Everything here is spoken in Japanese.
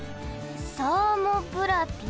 サーモブラピ？